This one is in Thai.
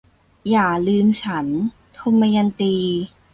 อย่าลืมฉัน - ทมยันตี